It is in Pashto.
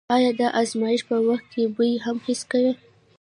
آیا د ازمایښت په وخت کې بوی هم حس کوئ؟